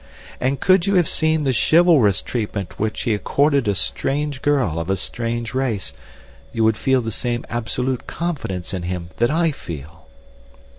"And could you have seen the chivalrous treatment which he accorded a strange girl of a strange race, you would feel the same absolute confidence in him that I feel."